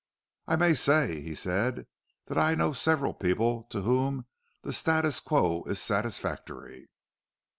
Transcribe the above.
"I may say," he said, "that I know several people to whom the status quo is satisfactory."